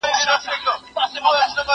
زه له سهاره درسونه لوستل کوم؟!